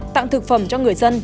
tặng thực phẩm cho người dân